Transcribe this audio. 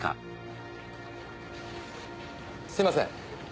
すみません。